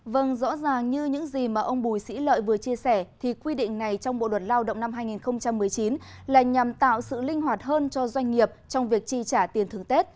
vâng rõ ràng như những gì mà ông bùi sĩ lợi vừa chia sẻ thì quy định này trong bộ luật lao động năm hai nghìn một mươi tám